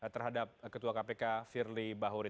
terhadap ketua kpk firly bahuri